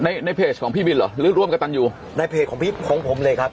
ในในเพจของพี่บินเหรอหรือร่วมกับตันอยู่ในเพจของพี่ของผมเลยครับ